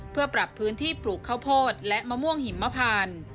เพื่อปรับพื้นที่ปลูกข้าวโพดและมะม่วงหิมพาน